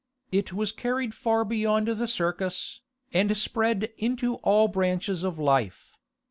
It was carried far beyond the circus, and spread into all branches of life.